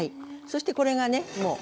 そしてこれがねもう。